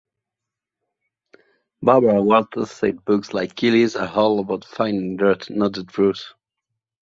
Barbara Walters said books like Kelley's are all about finding dirt, not the truth.